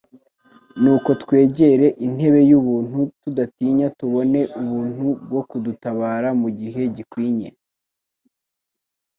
Nuko rero twegere intebe y'ubuntu tudatinya tubone ubuntu bwo kudutabara mu gihe gikwinye'."